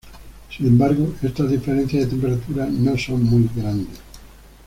Sin embargo, estas diferencias de temperatura no son muy grandes.